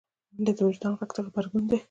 منډه د وجدان غږ ته غبرګون دی